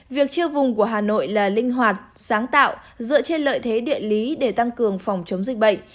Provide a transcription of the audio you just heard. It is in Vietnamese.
việc chia vùng của hà nội là linh hoạt sáng tạo dựa trên lợi thế địa lý để tăng cường phòng chống dịch bệnh